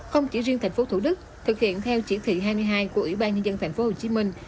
không chỉ riêng tp thủ đức thực hiện theo chỉ thị hai mươi hai của ủy ban nhân dân tp hồ chí minh